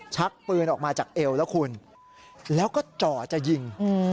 ชักปืนออกมาจากเอวแล้วคุณแล้วก็จ่อจะยิง